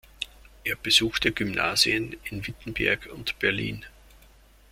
Er besuchte Gymnasien in Wittenberg und Berlin.